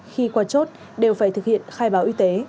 khi qua chốt đều phải thực hiện khai báo y tế